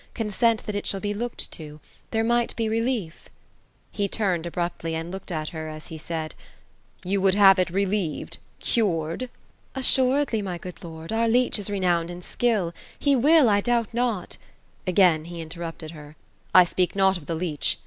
Consent that it shall be looked to ] there might be relief " He turned abruptly, and looked at her, as he said, ^ You would have ii relieTed — cured ?"Assuredly, my good lord ; our leech is renowned in skill He will, I doubt not " Again he interrupted her: '^ I speak not of the leech.